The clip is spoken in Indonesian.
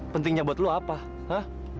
pentingnya buat lu apa hah